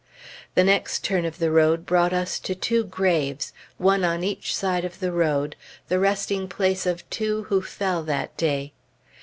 The next turn of the road brought us to two graves, one on each side of the road, the resting place of two who fell that day.